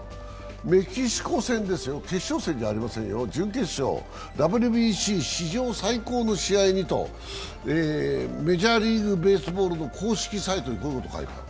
メキシコ戦ですよ、決勝戦じゃありませんよ、「準決勝、ＷＢＣ史上最高の試合に」とメジャーリーグベースボールの公式サイトに書いてある。